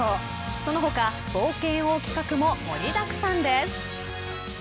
その他冒険王企画も盛りだくさんです。